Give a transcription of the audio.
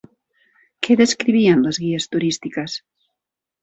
Què descrivien les guies turístiques?